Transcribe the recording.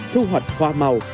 thu hoạch hoa màu